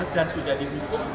dan sudah dihukum